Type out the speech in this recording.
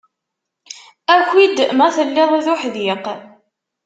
Aki-d ma telliḍ d uḥdiq